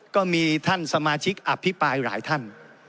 ก็มีท่านสมาชิกอภิปรายหลายท่าน